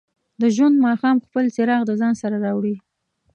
د ژوند ماښام خپل څراغ د ځان سره راوړي.